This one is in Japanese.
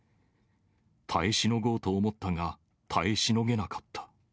耐えしのごうと思ったが、耐えしのげなかった。